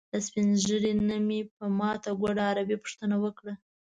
له سپین ږیري نه مې په ماته ګوډه عربي پوښتنه وکړه.